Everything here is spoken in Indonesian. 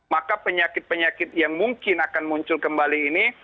maka penyakit penyakit yang mungkin akan muncul kembali ini